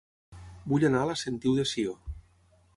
Vull anar a La Sentiu de Sió